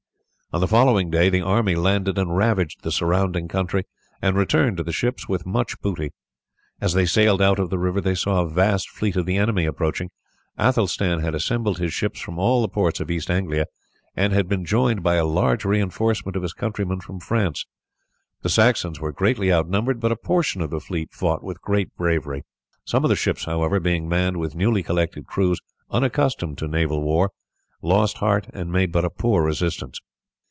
On the following day the army landed and ravaged the surrounding country and returned to the ships with much booty. As they sailed out of the river they saw a vast fleet of the enemy approaching. Athelstan had assembled his ships from all the ports of East Anglia, and had been joined by a large reinforcement of his countrymen from France. The Saxons were greatly outnumbered, but a portion of the fleet fought with great bravery. Some of the ships, however, being manned with newly collected crews unaccustomed to naval war, lost heart, and made but a poor resistance.